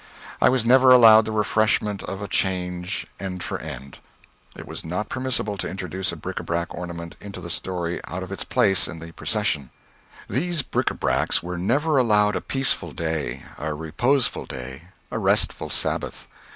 I was never allowed the refreshment of a change, end for end. It was not permissible to introduce a bric à brac ornament into the story out of its place in the procession. These bric à bracs were never allowed a peaceful day, a reposeful day, a restful Sabbath.